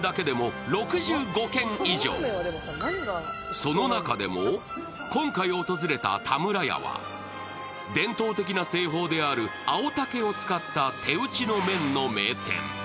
その中でも今回訪れた田村屋は伝統的な製法である青竹を使った手打ちの麺の名店。